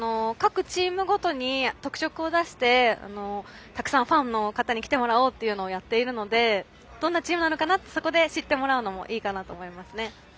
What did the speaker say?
各チームごとに特色を出してたくさん、ファンの方に来てもらおうというのをやっているのでどんなチームなのかなとそこで知ってもらうのもいいかなと思います。